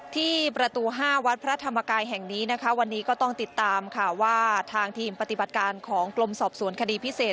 ที่ประตู๕วัดพระธรรมกายแห่งนี้นะคะวันนี้ก็ต้องติดตามค่ะว่าทางทีมปฏิบัติการของกรมสอบสวนคดีพิเศษ